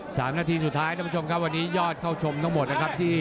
สามนาทีสุดท้ายท่านผู้ชมครับวันนี้ยอดเข้าชมทั้งหมดนะครับที่